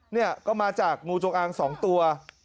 เนี่ยก็มาจากงูจงอาง๒ตัว